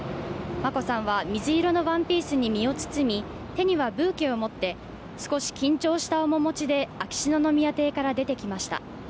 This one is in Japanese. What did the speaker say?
眞子さんは水色のワンピースに身を包み手にはブーケを持って少し緊張した面持ちで秋篠宮邸から出てきました。